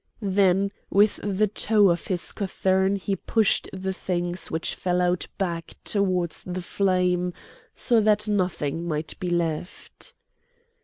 Then with the toe of his cothurn he pushed the things which fell out back towards the flame so that nothing might be left.